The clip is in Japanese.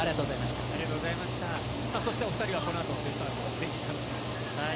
そしてお２人はこのあと『ベストアーティスト』、ぜひ楽しんでいってください。